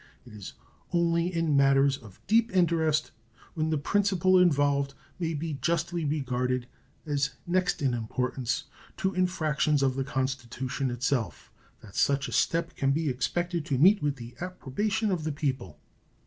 It is only in matters of deep interest, when the principle involved may be justly regarded as next in importance to infractions of the Constitution itself, that such a step can be expected to meet with the approbation of the people.